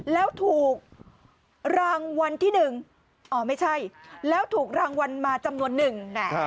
แล้วถูกรางวัลที่หนึ่งอ๋อไม่ใช่แล้วถูกรางวัลมาจำนวนหนึ่ง